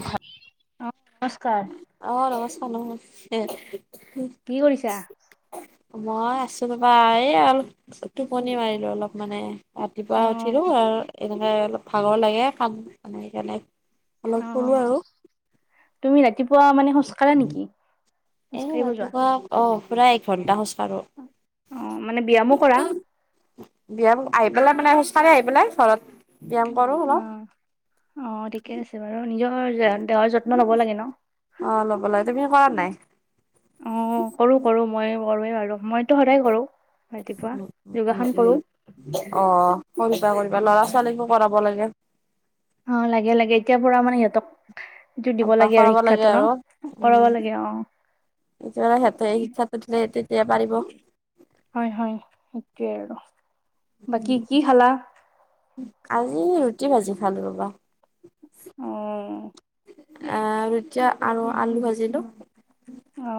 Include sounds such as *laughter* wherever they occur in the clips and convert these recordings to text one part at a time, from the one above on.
হয়। অ নমস্কাৰ *unintelligible* কি কৰিছা? মই আছো পাবা এই অলপ টোপনি মাৰিলো অলপ মানে ৰাতিপুৱা অ উঠিলো আৰু এনেকে অলপ ভাগৰ লাগে খাম মানে সেইকাৰণে অ অলপ কলো আৰু পুৱা মানে খোজকাঢ়া নেকি এ খোজকাঢ়িব যোৱা ৰাতিপুৱা অ পুৰা এ ঘণ্টা হৈছে আৰু অ মানে ব্যায়ামো কৰা বিয় আহি পেলাই মানে ছাৰে আহি পেলাই ঘৰত ব্যায়াম কৰো অ অলপ অ ঠিকে আছে বাৰু নিজৰ দেহৰ যত্ন লব লাগে ন অ', ল'ব লাগে তুমি কৰা নাই অ কৰো কৰো মই কৰোৱে আৰু মইতো সদায় কৰো ৰাতিপুৱা উ উ উম যোগাসন কৰো উম অ কৰিবা কৰিবা ল'ৰা ছোৱালীকো কৰাব লাগে অ লাগে লাগে এতিয়া পুৰা মানে সিহঁতক এইটো দিব অভ্যাস লাগে আৰু কৰাব শিক্ষাটো ন কৰাব লাগে অ এত সিহঁতে শিক্ষা টো দিলে তেতিয়া পাৰিব হয় হয় সেইটোৱে আৰু উম বাকী কি খালা আজি ৰুটি ভাজি খালো ৰবা আহ আহ ৰুটি আৰু আলু ভাজিলো অ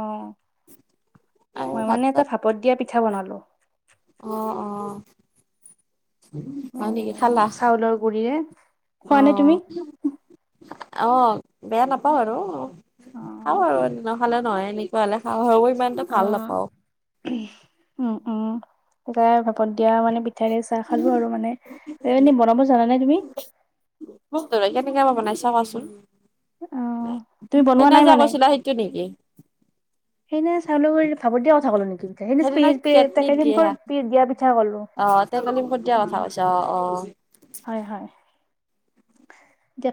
আৰু মই মানে এটা ভাপত দিয়া পিঠা বনালো আহ আহ এ হয় নেকি খালা চাউলৰ গুৰিৰে খোৱা নে আহ তুমি? অ বেয়া নাপাওঁ আৰু খাওঁ আৰু নখালে নহয় এনেকুৱা হলে খাওঁ ইমানতো অ ভাল নাপাওঁ উম উমাই ভাপত দিয়া মানে প পিঠাইৰে চাহ খালো আৰু মানে এ এনেই বনাব জানা নে তুমি কেতিয়াবা বনাইছা চাৱাচোন অ', তুমি বনোৱা সেইনা নাই যা মানে? কৈছিলা সেইটো নেকি ভাবত দিয়া কথা নেকি পিঠ স প সেইদিনা কেটলিত দিয়ে দিয়া পিঠা কলো অ টেকেলি মুখত দিয়া অ কথা কৈছা অ অ হয় হয়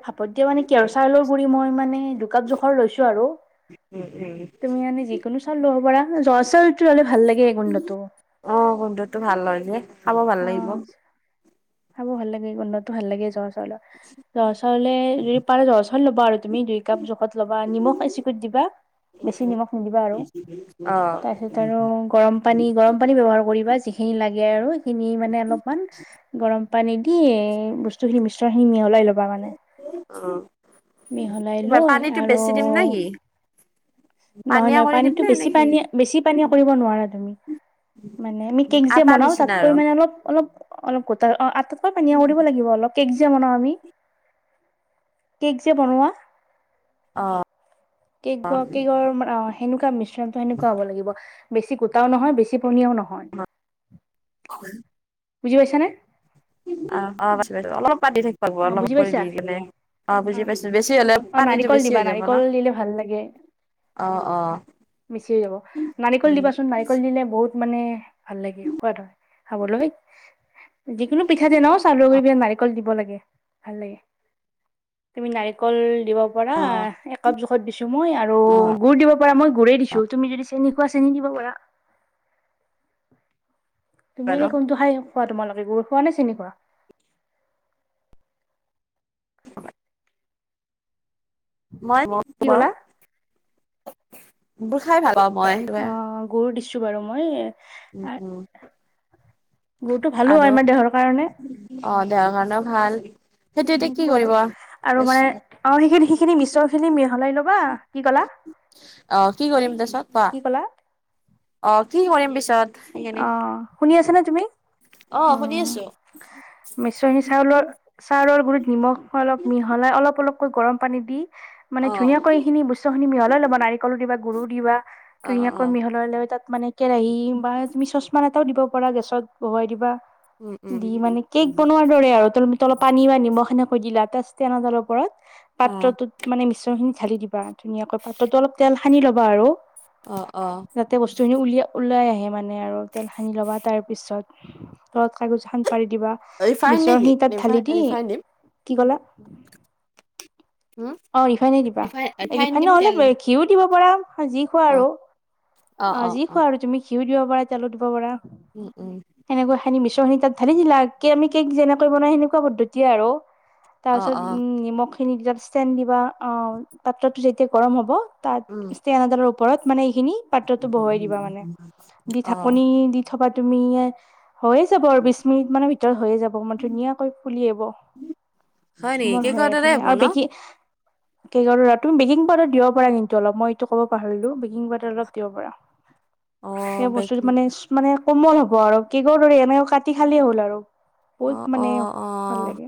ভাপত দিয়া মানে কেৰচাউলৰ গুৰি মই মানে দুকাপ জোখৰ লৈছো আৰু উম উম তুমি এনে যিকোনো চাউল লব পাৰা জ চাউল সেইটো ললে ভাল লাগে গণ্ডটো অ গোন্ধটো ভাল হয় যে খাব ভাল লাগিব খাব ভাল লাগে গন্ধতো ভাল লাগে জহৰ চাউলৰ জহৰ চাউলে যদি পাৰে জহৰ চাউল ল'ব আৰু তুমি দুই কাপ জোখত ল'বা নিমখ বেচিকৈত দিবা বেছি নিমখ নিদিবা আৰু অ তাৰ পিছত আৰু গৰম পানী গৰম পানী ব্যৱ্হাৰ কৰিবা যি খিনি লাগে আৰু সিখিনি মানে অলপমান গৰম পানী দি বস্তু মিশ্ৰ সিমি লাই ল'বা মানে অ মিহলাই কিবা লৈ পানীটো আৰু বেছি দিম নে কি নহয় পানীয়া নহয় কৰি দিম পানীতো নে নে বেছি কি পানী বেছি পানীয়ে কৰিব নোৱাৰা তুমি মানে আমি কেক যে আটাৰ বনাও নিচিনা তাতকৈ আৰু মানে অলপ অলপ অলপ গো আটতকৈ পানীৰিব লাগিব অলপ কেক যে বনাওঁ আমি কেক যে বনোৱা অ কেক কেকৰৰ সেনেকুৱা মিশ্ৰণটো সেনেুৱা হ'ব লাগিব বেছি গোটাও নহয় বেছি পনিয়াও নহয় বুজি পাইছ নে অ অ অলপ পাতি থাকিব অ অলপ বুজি কৰি পাইছা দি পেলাই অ বুজি পাইছো বেছি হলে অ পানীতটো নাৰিকল বেছি হৈ যাব ন অ', অ', বেচি হৈ যাব নাৰিকল দিবাচোন নাৰিকল দিলে বহুত মোক মানে ভাল লাগে সোৱাদাদ হয় খাবলৈ যিকোনো পিঠাতে ন চাউৰ গৰি নাৰিকল দিব লাগে ভাল লাগে তুমি নাৰিকল দিব পাৰা অ', একাপ জোখত দিছ মই আৰু অ', গুড দিব পৰা মই গুৰাই দিছো তুমি যদি চেনেকুৱা চেনি দিবা পাৰা তুমি বাৰু এনে কোনটো খাই খোৱা তোমালোকে গুৰ খোৱা নে চেনি খোৱা *unintelligible* মই ম কি ক'লা বোৰ খাই ভাল পাওঁ মই ছোঁ বাৰু মই। উম উম। গুৰুটো ভালো আৰু হয় আমাৰ দেহৰ কাৰণে। অ', দেহৰ কাৰণেও ভাল। সেইটো এতিয়া কি তেনেকুৱা কৰিব আৰু, আৰু মানে আৰু সেইখিনি, সেইখিনি মিছল খিনি মিহলাই ল'বা কি ক'লা অ', কি কৰিম তাৰ পিছত কোৱা? কি ক'লা অ' কি কৰিম পিছত? সেইখিনি অ', শুনি আছা নে তুমি। অ' শুনি আছোঁ *unintelligible* চাউলৰ চাউলৰ গুৰিত নিমখ অলপ মিহলাই অলপ অলপকৈ গৰম পানী দি মানে অ', ধুনীয়াকৈ এইখিনি বস্তু খিনি মিহলাই ল'ব, নাৰিকলো দিবা, গুৰুো দিবা। অ', ধুনীয়াকৈ অ', মিহলাই লৈ তাত মানে কেৰাহী বা তুমি চশমা ত দিব পাৰা গেছত বহুৱাই দিবা। উম, উম, দি মানে কে'ক বনোৱাৰ দৰে আৰু তল অলপ পানী বা নিমখ সেনেকৈ দিলা। ষ *unintelligible* অ', পাত্ৰটোত মানে মিশ্ৰন খিনি ঢালি দিবা ধুনীয়াকৈ, পাত্ৰটোত অলপ তেল সানি সানি ল'বা আৰু। অ', অ'। যাতে উলিয়াই ওলাই আহে মানে আৰু, তেল সানি ল'বা তাৰপিছত, তলত কাগজ খন পাৰি দিবা ৰিফাইন মিছৰ নেকি খিনি তাত ৰিফাইন ঢালি দি, ৰিফাইন দিম কি কলা? অ', ৰিফাইনেই দিবা। ৰিফাইন দিম তেল নহ'লে দি ঘিও দিব পাৰা। যি খোৱা আৰু। অ', অ', অ', যি অ', খোৱা আৰু তুমি ঘিউও দিব পাৰা তেলো দিব পাৰা। উম, উম, এনেকৈ সানি মিছ খিনি তাত ঢালি দিলা, কে আমি কেক যেনেকৈ বনাই সেনেকুৱা পদ্ধতিয়েই আৰু। তাৰ অ', অ', পিছত নিমখ খিনি ষ্টেড দিবা। অ', পাত্ৰটো যেতিয়া গৰম হ'ব উম, তাত ষ্টেন এডালৰ ওপৰত মানে খিনি পাত্ৰটো বহুৱাই দিবা মানে, দি অ', ঢাকনি দি থবা তুমি হৈয়েই যাব আৰু, বিশ মিনিট মানৰ ভিতৰত হৈয়েই যাব, ম ধুনীয়াকৈ ফুলি আহিব। নেকি কমন হয় কেকৰ আৰু দৰে ধুনীয়া, হ'ব আৰু ন? বেকি *unintelligible* বেকিং পাউডাৰ দিব পাৰা কিন্তু অলপ। মই এইটো ক'ব পাহৰিলো, বেকিং পাউডাৰ অলপ দিব পাৰা। অ', সেই বস্তুটো বেকিং মানে, মানে কোমল হ'ব আৰু, কেকৰ দৰে এনেকে কাটি খালেই হ'ব আৰু। বহুত অ', মানে অ', ভাল অ', লাগে,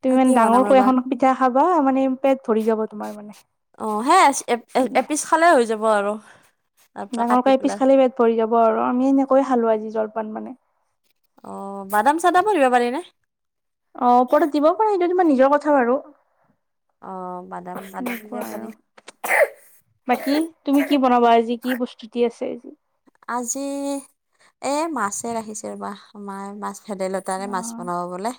তুমি ইমান সেইটোৱে ডাঙৰ বনাম কৈ ৰ'বা এখন খাবা মানে ভৰি যাব তোমাৰ অ', সেই মানে এপিচ খালেই হৈ যাব আৰু। তাৰ পৰা কাটি ডাঙৰকেই এপিছ পেলাই খালেই পেট ভৰি যাব আৰু। আমি এনেকৈয়েই খালো আজি জলপান মানে। অ', বাদাম চাদামো দিব পাৰে না। অ', ওপৰত দিব পাৰি, এইটো তোমাৰ নিজৰ কথা বাৰু। অ', বাদাম, বাদাম দি এনেকুৱা দিব আৰু পাৰি। বাকী, তুমি কি বনাবা আজি? কি প্ৰস্তুতি আছে আজি? আজি এ মাছে ৰাখিছো ৰৱা মা মাছ ভেদাইলতাৰে অ মাছ বনাব বোলে।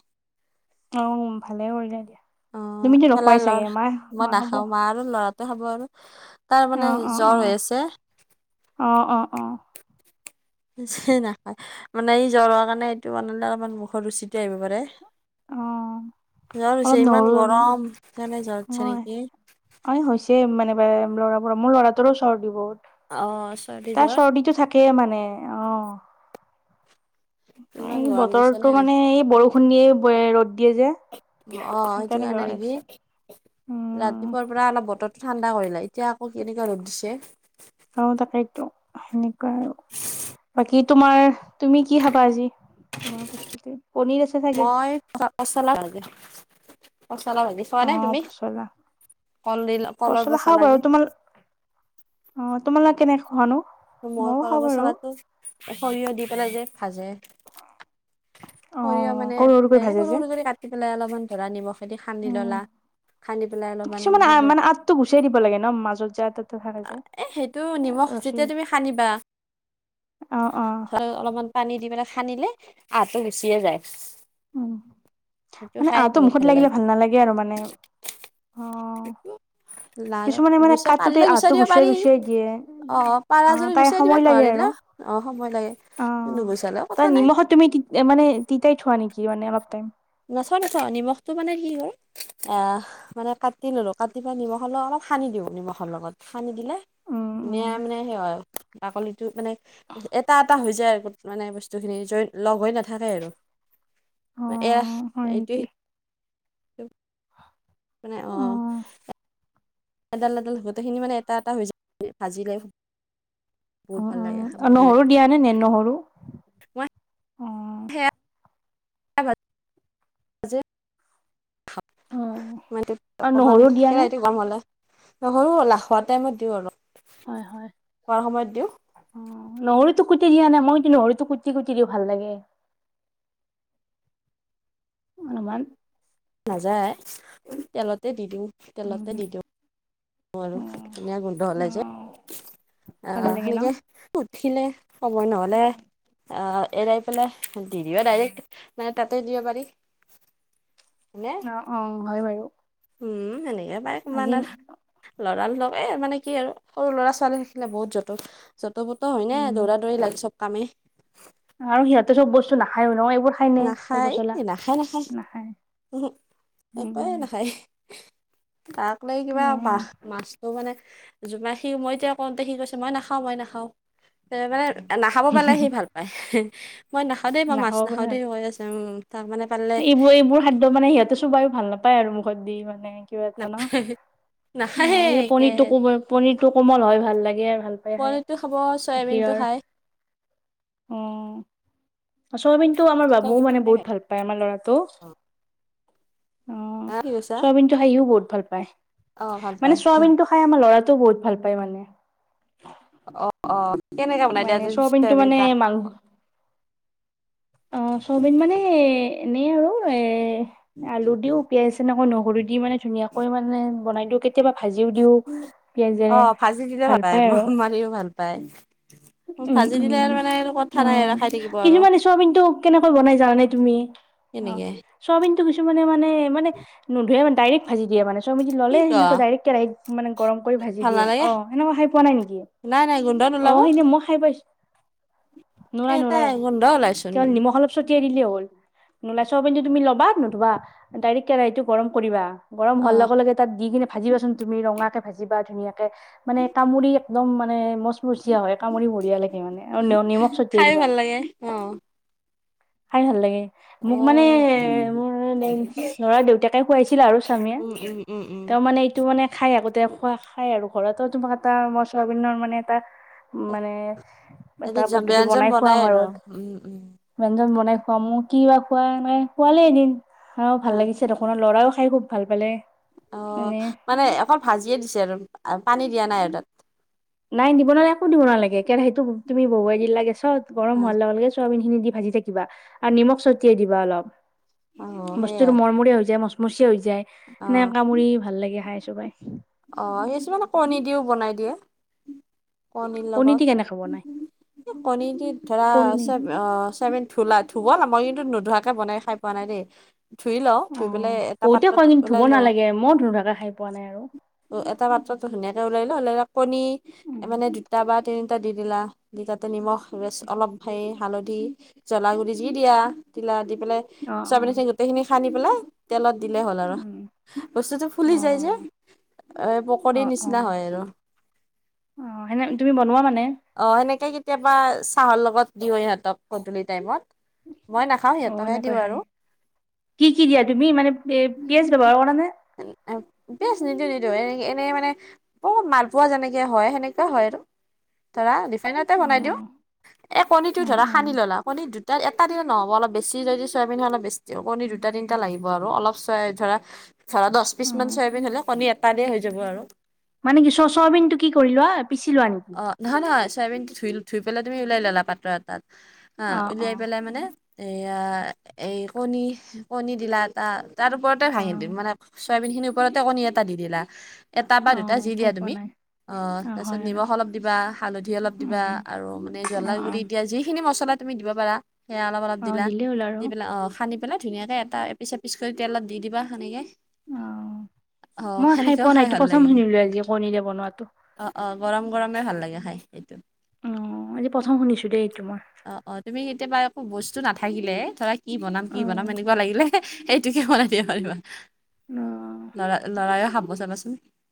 অ', ভালেই কৰিলো দিয়া। অ', তুমিতো নোখোৱাই চাগে *unintelligible* মা মই হ'ব নাখাও। অ মা আৰু লৰাটোৱে খাব আৰু। তাৰ মানে অ জ্বৰ অ হৈ আছে। অ অ অ নাখায় মানে ই জ্বৰ হোৱা কাৰণে এইটো বনালে অলপমান মুখৰ ৰুচিটো আহিব পাৰে। অ'। জ্বৰ হৈছে অলপ ইমান নহৰু, গৰম সেইকাৰণে জ্বৰ উঠিছে নেকি? অ', হৈছে মানে *unintelligible* লৰাবোৰৰ মোৰ ল'ৰাটোৰো চৰ্দি বহুত। অ' চৰ্দি তাৰ জ্বৰ চৰ্দিটো থাকেই মানে। অ ইমান এই গৰম দিছে নে? বতৰটো মানে এই বৰষুণ দিয়ে। ৰ'দ দিয়ে যে অ', সেইটো সেইকাৰণে কাৰণে বেমাৰ নেকি? হৈছে উম ৰাতিপুৱাৰ পৰা অলপ বতৰ ঠান্ডা' কৰিলে, এতিয়া আকৌ কেনেকা ৰ'দ দিছে। সেনেকুৱাই। কি তোমাৰ, তুমি কি খাবা আজি? তোমাৰ প্ৰস্তুতি পনীৰ আছে চাগে মই চাত মছলা *unintelligible* পচলা ভাজি চোৱা অ নে তুমি? পচলা কল দিল কলৰ খাওঁ পচলা বাৰু যে। তোমাৰ অ তোমালোক কেনেক মই কল মচলাটো সৰিয়হ দি পেলাই যে ভাজে। অ সৰিয়হ মানে সৰু সৰুকৈ ফুতেৰে ভাজে সৰু যে সৰু কৰি কাটি পেলাই অলপমান ধৰা নিব খেতি খান্দি উম ললা খানি পেলাই অলপমান কিছুমানে হল, মানে আঠটো গুচাই দিব লাগে ন মাজত যে আঠা এটা থাকে যে এ সেইটো নিমখ অহ ৰছী যেতিয়া ৰছী তুমি সানিবা *inaudible* অ অ ধ অলপমান পানী দি পেলাই খান্দিলে আহটো গুচিয়ে যায়। উ, সেইটো মানে খাই আহতো বহুত মুখত লাগিলে লাগে ভাল নালাগে আৰু মানে, অ। লা কিছুমানে মানে গুচা কাটোতে পাৰিলে আহটো গুচাই দিব গুচুৱাই পাৰি। গুচুৱাই দিয়ে অ আহ পাৰাজদি তাই গুচিয়াই সময় দিবে লাগে আৰু নোৱাৰিলে অ সময় লাগে। অ নুগুচালেও তই কথা নাই নিমখত তুমি মানে তিতাই থোৱা নেকি মানে অলপ টাইম? নথই নথই নিমখটো মানে কি হয় আহ মানে কাটি ললো কাটি ললোঁ কাটি পাই নিমখ হ'লেও অলপ সানি দিওঁ নিমখৰ লগত সানি দিলে উম ধুনীয়া উম মানে সেই হয় বাকলিটো মানে এটা এটা হৈ যায় আৰু মানে বস্তুখিনি য লগ হৈ নাথাকে আৰু। *inaudible* এয়াহ হয় এইটো নেকি সে অ এডাল-এডাল গোটেইখিনি মানে এটা-এটা হৈ যায় ভাজিলে। বহুত অ ভাল লাগে উম, খাব কাৰণে নহৰু দিয়া নে নে নহৰু? মই অ সেয়া ভাজি অ *unintelligible* মইটোত আৰু অকমান নহৰু দিয়া নে কেৰাহীটো গৰম হ'লে নহৰু লা খোৱাৰ টাইমত দিওঁ অলপ, হয় হয় খোৱাৰ সময়ত দিওঁ। অ নহৰুতো কুটি দিয়া নে? মই কিন্তু নহৰুটো কুটি-কুটি দিও, ভাল লাগে। অনুমান নাযায়, তেলতে দি দিওঁ। তেলতে উম দি দিওঁ আৰু অ ধুনীয়া গোন্ধ ওলাই যে। ভাল আহ লাগে ন সেনেকে উঠিলে কবই নহলে, আহ এৰাই পেলাই দি দিবা ডাইৰেক্ট, মান তাতে দিব পাৰি। অ, অ, হয় বাৰু। উম, সেনেকে পাই কিমান আজি আৰু ল'ৰা লগে মানে কি আৰু সৰু ল'ৰা-ছোৱালী থাকিলে বহুত যতন যত ত'- ব'ত' হয় নে উম দৌৰা-দৌৰি লাগ চব কামেই। আৰু সিহঁতে চব বস্তু নাখায়ও ন এইবোৰ খাই নে কল নাখায়, পচলা নাখায়-নাখায়, নাখায় উম্হু। উম একোৱেই নাখায়। তাক লৈ কিবা উম বাস মাছটো মানে জোমা সি মই এতিয়া কওঁতে সি কৈছে মই নাখাও মই নাখাও, তে মানে নাখাব পালে সি ভাল পায়, মই নাখাওঁ দেই মই মাছ নাখাব নাখাওঁ পাৰে দেই, কৈ আছে, উম। তাক মানে পাৰিলে এইবোৰ এইবোৰ খাদ্য মানে সিহঁতে চোবাইয়ো ভাল নাপায় আৰু মুখত দি মানে কিবা না এটা ন! নাখায়ে অ', এ একে পনিতটো কবয়ে পনিৰটো কোমল হয় ভাল লাগে ভাল পাই খাই পনীৰটো খাব চয়াবিনটো গাখীৰৰ। খায় অ'। চয়াবিনটো আমাৰ বাবুও চয়াবিনটো মানে খাই বহুত ভাল পায় আমাৰ লৰাটো। পায় হা অ', কি কৈছা চয়াবিন টো খাই *unintelligible* বহুত ভাল পায়, অ ভাল মানে পায় চয়াবিন টো খাই আমাৰ ল'ৰাটো টো বহুত ভাল পায় মানে। অ অ কেনেকে বনাই দিয়া মানে আজি চয়াবিনটো চয়াবিন মানে তাক মাং অ', চয়াবিন মানে এনেই আৰু এ আলু দিও পিঁয়াজ এনেকৈ নহৰু দি মানে ধুনীয়াকৈ মানে বনাই দিও কেতিয়াবা ভাজিও দিও অ পিয়াজেৰে, ভাজি দিলে ভাল পায় আৰু। ম- মাৰিও ভাল পায় *inaudible* উম, ভাজি দিলে উম, আৰু মানে আৰু কথা অ, নাই আৰু খাই থাকিব ' আৰু কিছুমানে চৱাবিনটো কেনেকৈ বনাই জানানে তুমি? অ' সেনেকে চয়াবিনটো কিছুমানে মানে নোধোৱে মানে ডাইৰেক্ট ভাজি দিয়ে মানে চয়াবিনটো কি ললে ক সেনেকৈ ডাইৰেক্ট কেৰাহীত মানে গৰম কৰি ভাজি ভাল দিয়ে, নালাগে অ' সেনেকোৱা খাই পোৱা নাই নেকি? নাই, নাই গোন্ধ অ, নোলাব ' সেইনে মই খাই পাইছো। এ নুলাই নুলাই তাই গোন্ধ ওলাইচোন কেৱল নিমখ অলপ ছটিয়াই দিলেই হ'ল, নোলাই চয়াবিনটো তুমি ল'ব বাত নুধুবা ডাইৰেক্ট কেৰাহীটো গৰম কৰিবা। গৰম অ হোৱাৰ লগে লগে তাত দি কিনে ভাজিবাচোন তুমি ৰঙাকে ভাজিবা ধুনীয়াকে মানে কামুৰি একদম মানে মচ ছিয়া হয় কামুৰি বঢ়িয়া লাগে মানে নিমখ ছটিয়াই খাইো দিবা। ভাল লাগে অ খাই ভাল লাগে। অ মোক মানে মোৰ দেউ *unintelligible* দেউতাকে খুৱাইছিল আৰু স্বামীয়ে। উম উম উম উম তেওঁ, মানে এইটো মানে খাই আগোতে খোৱা খাই আৰু ঘৰতো তোমাক এটা মছল বিন্নৰ মানে এটা মানে এটা এবিধ পদ্ধতি ব্যঞ্জন বনাই খুৱাম আৰু। উম উম ব্যঞ্জন বনাই খোৱাম মোৰ কি বা খোৱা নাই খোৱালে এদিন, আৰু ভাল লাগিছে দখনৰ ল'ৰাও খাই খুব ভাল পালে। অ' মানে অকল ভাজিয়ে দিছে আৰু পানী দিয়া নাই আৰু তাত। নাই দিব নালাগে একো দিব নালাগে কেৰাহীটো তু-তুমি বহুৱাই দিলা গেছত গৰম হোৱাৰ লাগে চব ভিন দি ভাজি থাকিবা আৰু নিমখ ছটিয়াই দিবা অলপ অ বস্তুটো সেইয়াই মৰ্মৰিয়া হৈ যায় মছ মচিয়া হৈ যায়, অ সেনেকে কামুৰি ভাল লাগে খাই চোবাই। অ', কিছুমানে কণী দিও বনাই দিয়ে কণীৰ কণী লগত। দি কেনেকে বনাই কণীতিট ধৰা পনীৰ চ-অ চেমেন ধুলা ধুবল মই নোধোৱাকে বনাই খাই পোৱা নাই দেই ধুই লও, অ ধুই পেলাই এটা বহুতে পাত্ৰত কয় কিন্তু ধুব ওলাই লওঁ। নালাগে মই নোধোৱাকে খাই পোৱা নাই আৰু ত, এটা পাত্ৰতো ধুনীয়াকে ওলাই তে হলে কণী উম মানে দুটা বা তিনিটা দি দিলা দি তাতে নিমখ টোৰেছ অলপ হে হালধি জলা গুৰি যি দিয়া তিলা দি পেলাই অ অ ছয়াবিন খিনি গোটেই খিনি খান্দি পেলাই তেলত দিলে হ'ল আৰু। উম বস্তুটো ফুলি অ যায় যে এ, অ পকৰিৰ অ নিচিনা হয় আৰু। অ' সেনে তুমি বনোৱা মানে? অ, সেনেকে কেতিয়াবা চাহৰ লগত দিওঁ হিহঁতক গদূলি টাইমত মই নাখাওঁ, অ সিহঁতকে সেনেকৈ দিওঁ খাই আৰু। কি, কি দিয়া তুমি মানে পি-পিয়ঁয়াজ ল'বা আৰু ক নে পেচ নিদিও নিদিও এনে এনেই মানে বত মালপোৱা যেনেকে হয় সেনেকোৱা হয় আৰু। ধৰা ৰিফাইনতে অ বনাই দিওঁ, এ কণীটো অ ধৰা অ সানি ললা কণী দু তাৰ এটা দিনত নহ'ব অলপ বেছি যদি ছবিন অলপ বেছি অ কণী দুটা তিনটা লাগিব আৰু অলপ ছয়া ধৰা ধৰা দচ অ পিচ মান চয়াবিন হলে কণী এটা দিয়ে হৈ যাব আৰু। মানে কি চ-চয়াবিনটো কি কৰি লোৱা আ? অ' নহয় নহয় চয়াবিন ধু-ধই পেলাই তুমি উলাই ললা পাত্ৰ এটাত। আ, অ অ উলিয়াই পেলাই মানে এইয়া এই কণী, কণী দিলা এটা তাৰ ওপৰতে অ ভাঙি দিম মানে চয়াবিন এইখিনিৰ ওপৰতে কণী এটা দি দিলা, এটা বা অ দুটা যি খাই দিয়া পোৱা তুমি নাই আ, অ তাৰ পিছত হয় হয় নিমখ অলপ দিবা হালধি অলপ দিবা উম আৰু মানে জ্বলা অ অ গুৰি দিয়া যিখিনি মছলা তুমি দিব পাৰা। সেয়া অলপ অলপ অ দিলা দিলেই হ'ল আৰু দি পেলাই, অ' সানি পেলাই ধুনীয়াকৈ এটা এপিচ এপিচ কৰি তেলত দি দিবা হেনেকে। অ, '। মই খাই পোৱা নাই। এইটো ভাল প্ৰথম লাগে শুনিলো আজি কণীৰে বনোৱাটো। অ অ গৰম গৰমে ভাল লাগে খাই, সেইটো। অ', আজি প্ৰথম শুনিছো দেই এইটো মই অ', অ, ' তুমি কেতিয়াবা একো বস্তু নাথাকিলে ধৰা কি বনাম কি অ', বনাম এনেকুৱা লাগিলে সেইটোকে বনাই দিওঁ আৰু অ'। লৰা লৰায়ে খাব চাবাচোন।